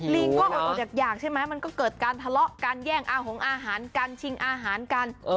ลิงก็อดอยากใช่ไหมมันก็เกิดการทะเลาะกันแย่งอาหงอาหารกันชิงอาหารกัน